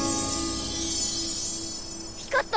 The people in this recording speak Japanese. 光った！